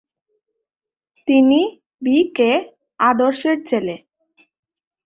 তিনি B K আদর্শের ছেলে।